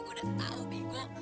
gue udah tahu bigo